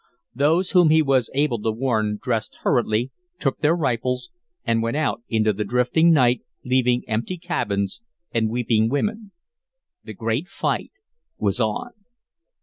Those whom he was able to warn dressed hurriedly, took their rifles, and went out into the drifting night, leaving empty cabins and weeping women. The great fight was on.